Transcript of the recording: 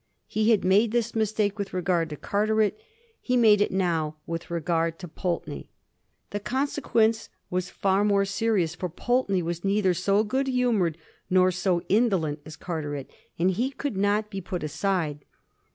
He had made this mistake with regard to Carteret ; he made it now with regard to Pulteney. The consequences were far more serious : for Pulteney was neither so good humoured nor so indolent as Carteret, and he could not be put aside.